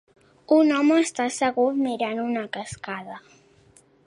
Un home està assegut mirant una cascada.